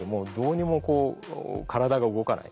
どうにもこう体が動かない。